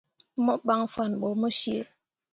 Mo ɓan fanne ɓo mo cii.